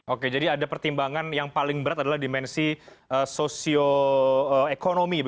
oke jadi ada pertimbangan yang paling berat adalah dimensi sosioekonomi